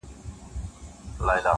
اوس « غلی شانته انقلاب» سندري نه ږغوي -